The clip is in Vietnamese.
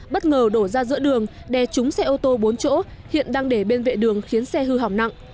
bất ngờ đổ ra giữa đường đè trúng xe ô tô bốn chỗ hiện đang để bên vệ đường khiến xe hư hỏng nặng